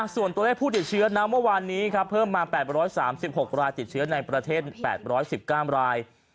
ส่วนตัวเลขผู้ติดเชื้อนะเมื่อวานนี้ครับเพิ่มมา๘๓๖รายติดเชื้อในประเทศ๘๑๙ราย